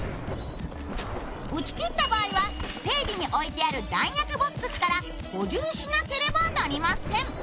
撃ちきった場合はステージに置いてある弾薬ボックスから補充しなくてはなりません。